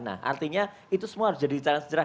nah artinya itu semua harus jadi jalan sejarah